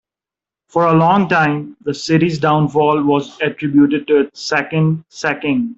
For a long time, the city's downfall was attributed to its second sacking.